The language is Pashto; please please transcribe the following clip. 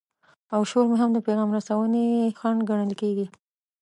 او شور هم د پیغام رسونې خنډ ګڼل کیږي.